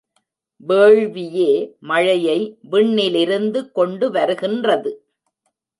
வேள்வியே மழையை விண்ணிலிருந்து கொண்டு வருகின்றது.